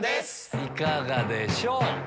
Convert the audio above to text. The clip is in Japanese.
いかがでしょう？